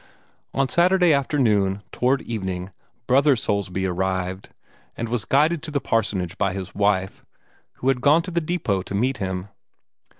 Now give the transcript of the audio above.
On Saturday afternoon, toward evening, Brother Soulsby arrived, and was guided to the parsonage by his wife, who had gone to the depot to meet him.